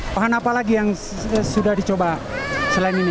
bahan apa lagi yang sudah dicoba selain ini